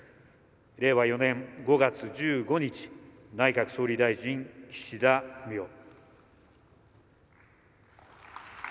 令和４年５月１５日内閣総理大臣、岸田文雄。